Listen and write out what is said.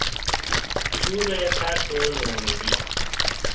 شور فقر و نومیدی